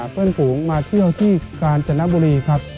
เพื่อนฝูงมาเที่ยวที่กาญจนบุรีครับ